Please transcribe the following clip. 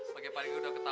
kok ma ojo jatuh cinta